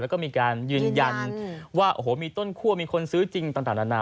แล้วก็มีการยืนยันว่าโอ้โหมีต้นคั่วมีคนซื้อจริงต่างนานา